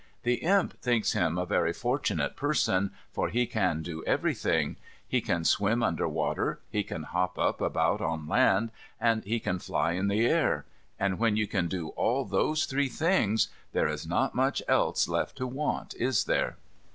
The Imp thinks him a very fortunate person; for he can do everything. He can swim under water, he can hop about on land, and he can fly in the air. And when you can do all those three things, there is not much else left to want, is there?